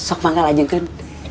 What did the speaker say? sok banget aja gun